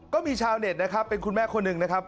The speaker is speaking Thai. ก็มีชาวเน็ตนะครับเป็นคุณแม่คนหนึ่งนะครับ